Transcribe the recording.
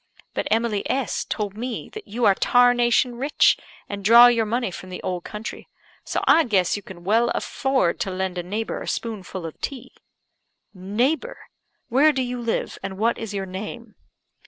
But Emily S told me that you are tarnation rich, and draw your money from the old country. So I guess you can well afford to lend a neighbour a spoonful of tea." "Neighbour! Where do you live, and what is your name?"